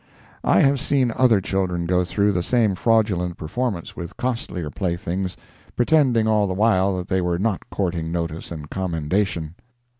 I have seen other children go through the same fraudulent performance with costlier playthings, pretending all the while that they were not courting notice and commendation.